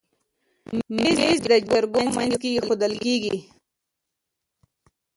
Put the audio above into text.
مېز د جرګو منځ کې ایښودل کېږي.